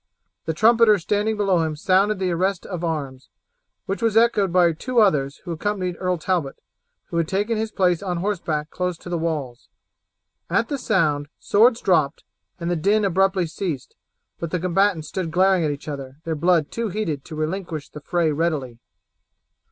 The trumpeter standing below him sounded the arrest of arms, which was echoed by two others who accompanied Earl Talbot, who had taken his place on horseback close to the walls. At the sound swords dropt and the din abruptly ceased, but the combatants stood glaring at each other, their blood too heated to relinquish the fray readily.